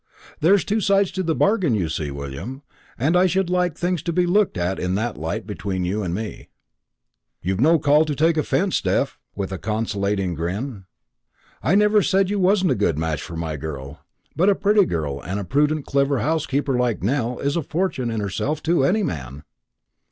There's two sides to a bargain, you see, William, and I should like things to be looked at in that light between you and me." "You've no call to take offence, Steph," answered the bailiff with a conciliating grin. "I never said you wasn't a good match for my girl; but a pretty girl and a prudent clever housekeeper like Nell is a fortune in herself to any man."